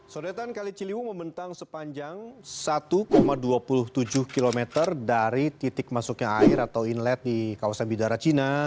sodetan kali ciliwung membentang sepanjang satu dua puluh tujuh km dari titik masuknya air atau inlet di kawasan bidara cina